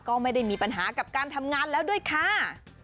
ก็ไม่ได้มีปัญหากับการทำงานแล้วด้วยค่ะ